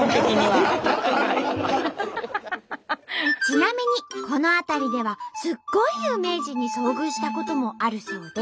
ちなみにこの辺りではすっごい有名人に遭遇したこともあるそうで。